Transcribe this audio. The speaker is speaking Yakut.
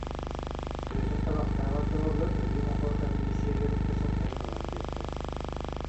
Бүөтүр табахтаабат да буоллар өлүү мохуоркатын ис сиэбигэр укта сылдьарын ылан биэрдэ